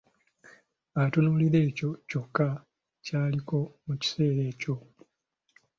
Atunuulira ekyo kyokka ky'aliko mu kiseera ekyo.